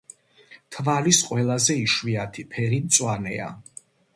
თვალის ყველაზე იშვიათი ფერი მწვანეა.